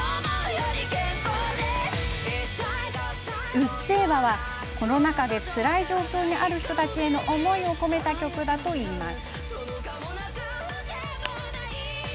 「うっせぇわ」は、コロナ禍でつらい状況にある人たちへの思いを込めた曲だといいます。